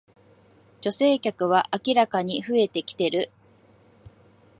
女性客は明らかに増えてきてる